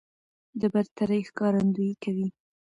د برترۍ ښکارندويي کوي